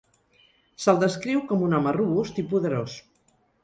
Se'l descriu com un home robust i poderós.